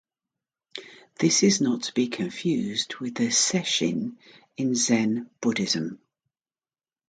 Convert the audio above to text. This is not to be confused with the sesshin in Zen Buddhism.